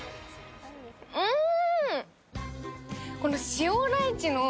うん！